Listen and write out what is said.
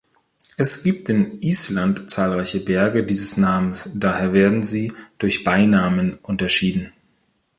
Es gibt in Island zahlreiche Berge dieses Namens, daher werden sie durch Beinamen unterschieden.